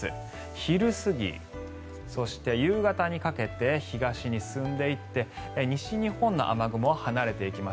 昼過ぎ、そして夕方にかけて東に進んでいって西日本の雨雲は離れていきます。